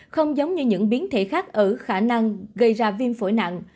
không giống như những biến thể khác ở khả năng gây ra viêm phổi nặng